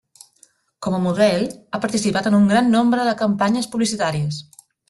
Com a model, ha participat en un gran nombre de campanyes publicitàries.